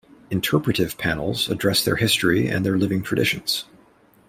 Interpretive panels address their history and their living traditions.